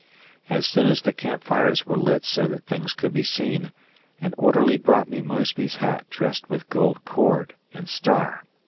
As soon as the camp fires were lit so that things could be seen, an orderly brought me Mosby's hat dressed with gold cord and star.